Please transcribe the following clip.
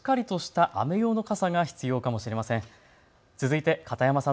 さてあすはしっかりとした雨用の傘が必要かもしれません。